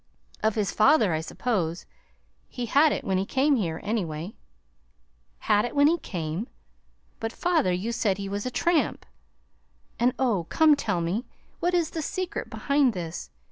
"Of his father, I suppose. He had it when he came here, anyway." "'Had it when he came'! But, father, you said he was a tramp, and oh, come, tell me, what is the secret behind this?